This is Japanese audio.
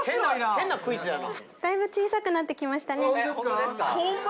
変なクイズやな！